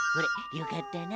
よかったな。